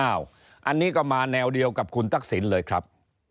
อันนี้ก็มาแนวเดียวกับคุณทักษิณเลยครับ